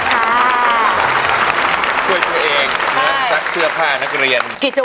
ขาหนูหนีบไว้